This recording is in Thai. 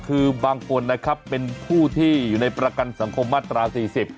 คือบางคนนะครับเป็นผู้ที่อยู่ในประกันสังคมมาตรา๔๐